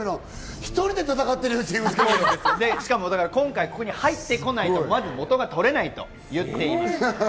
１人で戦ってるんですね、今回、ここに入ってこないと、まず元が取れないと言っています。